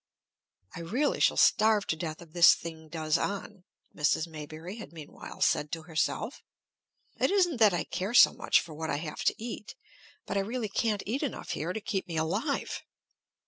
"I really shall starve to death if this thing does on," Mrs. Maybury had meanwhile said to herself. "It isn't that I care so much for what I have to eat; but I really can't eat enough here to keep me alive.